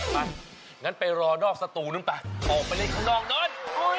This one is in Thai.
งั้นไปรอนอกสตูนู้นไปออกไปเล่นข้างนอกนอน